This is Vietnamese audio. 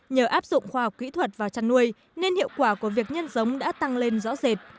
nhờ áp dụng khoa học kỹ thuật vào chăn nuôi nên hiệu quả của việc nhân giống đã tăng lên rõ rệt